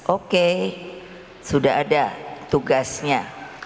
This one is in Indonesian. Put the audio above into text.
oke sudah ada tugasnya